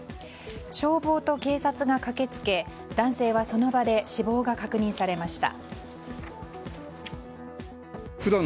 消防と警察が駆けつけ男性は、その場で死亡が確認されました。